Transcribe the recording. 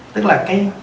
tức là cái